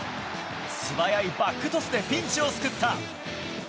素早いバックトスでピンチを救った。